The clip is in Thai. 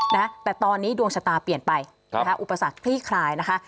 นะแต่ตอนนี้ดวงชะตาเปลี่ยนไปนะคะอุปสรรคคลี่คลายนะคะ